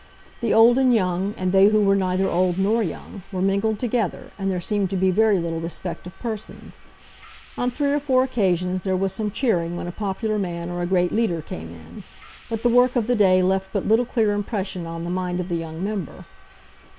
The old and young, and they who were neither old nor young, were mingled together, and there seemed to be very little respect of persons. On three or four occasions there was some cheering when a popular man or a great leader came in; but the work of the day left but little clear impression on the mind of the young member.